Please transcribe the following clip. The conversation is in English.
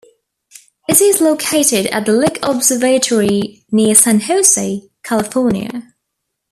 It is located at the Lick Observatory near San Jose, California.